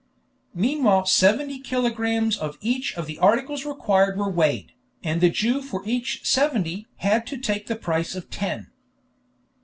Meanwhile seventy kilogrammes of each of the articles required were weighed, and the Jew for each seventy had to take the price of ten.